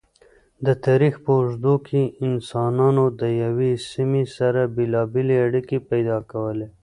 د تاریخ په اوږدو کی انسانانو د یوی سمی سره بیلابیلی اړیکی پیدا کولی